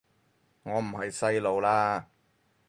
我唔係細路喇